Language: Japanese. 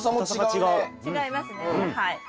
違いますねはい。